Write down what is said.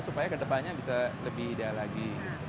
supaya kedepannya bisa lebih ideal lagi